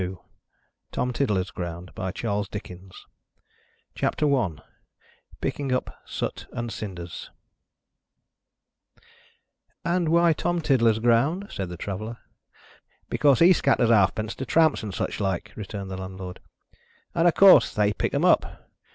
ac.uk TOM TIDDLER'S GROUND CHAPTER I PICKING UP SOOT AND CINDERS "And why Tom Tiddler's ground?" said the Traveller. "Because he scatters halfpence to Tramps and such like," returned the Landlord, "and of course they pick 'em up.